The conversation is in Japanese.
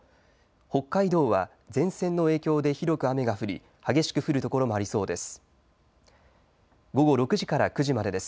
北海道は前線の影響で広く雨が降り激しく降る所もありそうです。